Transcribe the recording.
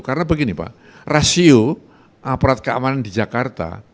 karena begini pak rasio aparat keamanan di jakarta